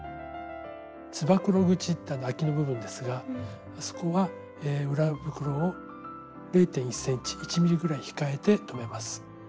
つばくろ口あきの部分ですがそこは裏袋を０．１ｃｍ１ｍｍぐらい控えて留めます。